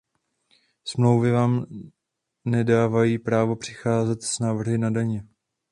Smlouvy vám nedávají právo přicházet s návrhy na daně.